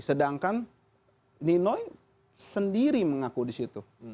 sedangkan ninoi sendiri mengaku disitu